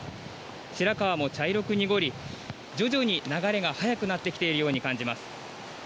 白川も茶色く濁り徐々に流れが速くなってきているように感じます。